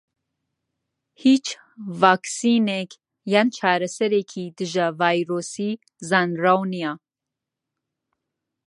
هیچ ڤاکسینێک یان چارەسەرێکی دژە ڤایرۆسی زانراو نیە.